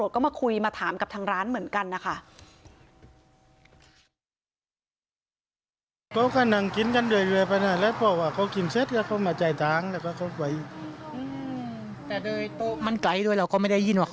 ก็มาคุยมาถามกับทางร้านเหมือนกันนะคะ